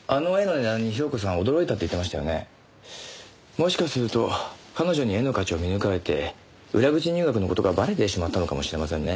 もしかすると彼女に絵の価値を見抜かれて裏口入学の事がバレてしまったのかもしれませんね。